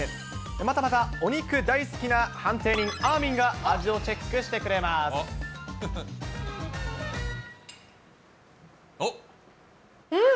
またまたお肉大好きな判定人、あーみんが味をチェックしてくれうん！